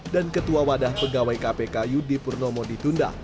dan ketua wadah pegawai kpk yudi purnomo ditunda